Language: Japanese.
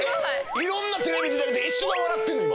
いろんなテレビ出てきて一番笑ってんの今？